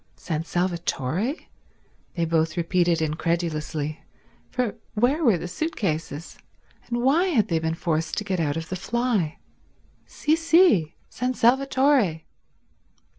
"San Salvatore?" they both repeated incredulously, for where were the suit cases, and why had they been forced to get out of the fly? "Sì, sì—San Salvatore."